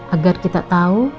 agar kita tahu